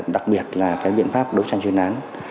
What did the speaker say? đặc biệt là biện pháp đấu tranh chuyên án